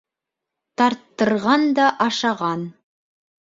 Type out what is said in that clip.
Тарттырған да ашаған